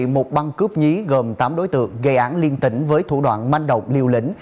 một băng cướp nhí gồm tám đối tượng gây án liên tỉnh với thủ đoạn manh động liều lĩnh